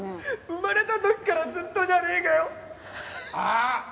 生まれた時からずっとじゃねえかよ。あーっ！